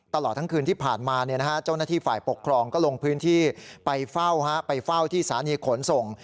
ตลอดทั้งคืนที่ผ่านมาเจ้าหน้าที่ฝ่ายปกครองก็ลงพื้นที่ไปเฝ้าไปเฝ้าที่สถานีขนส่ง